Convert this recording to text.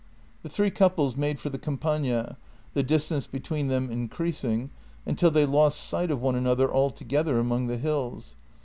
The three couples made for the Campagna, the distance be tween them increasing, until they lost sight of one another alto gether among the hills.